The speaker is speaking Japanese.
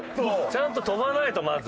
ちゃんと跳ばないとまず。